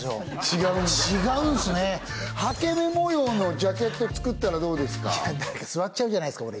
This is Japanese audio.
違うんすねハケメ模様のジャケット作ったらどうですかえっ？